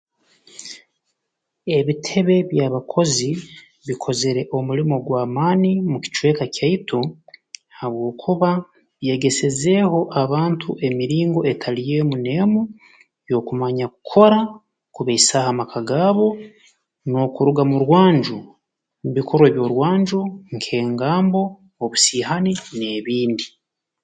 Ebitebe by'abakozi bikozire omulimo gw'amaani mu kicweka kyaitu habwokuba byegesezeeho abantu emiringo etali emu n'emu y'okumanya kukora kubaisaaho amaka gaabo n'okuruga mu rwanju mu bikorwa eby'orwanju nk'engambo obusiihani n'ebindi